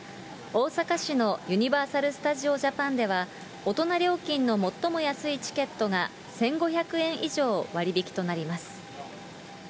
大阪市のユニバーサル・スタジオ・ジャパンでは、大人料金の最も安いチケットが１５００円以上割引となります。